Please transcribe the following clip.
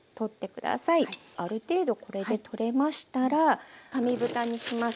ある程度これで取れましたら紙ぶたにします。